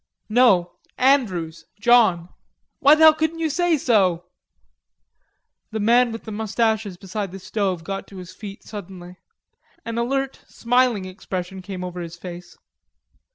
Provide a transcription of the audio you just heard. "No.... Andrews, John." "Why the hell couldn't you say so?" The man with the mustaches beside the stove got to his feet suddenly. An alert, smiling expression came over his face.